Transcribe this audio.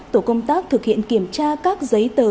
tổ công tác thực hiện kiểm tra các giấy tờ